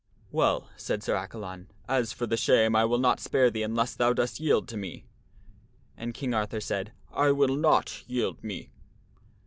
" Well," said Sir Accalon, " as for the shame I will not spare thee unless thou dost yield to me." And King Arthur said, "I will not yield me."